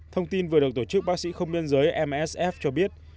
thông tin vừa được tổ chức bác sĩ không biên giới msf cho biết